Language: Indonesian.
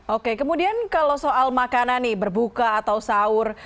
oke kemudian kalau soal makanan nih berbuka atau sahur